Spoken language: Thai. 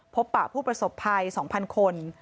พบปะผู้ประสบภัย๒๐๐คน